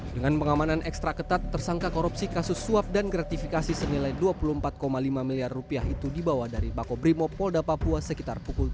dengan pengamanan ekstra ketat tersangka korupsi kasus suap dan gratifikasi senilai rp dua puluh empat lima miliar itu dibawa dari mako brimob polda papua sekitar pukul tujuh lima wib